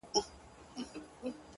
o نسه ـ نسه جام د سوما لیري کړي؛